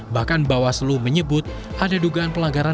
bahkan bawaslu menyebut ada dugaan pelanggaran